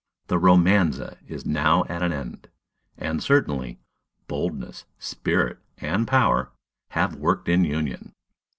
The "romanza" is now at an end, and certainly "Boldness, Spirit, and Power" have worked in union.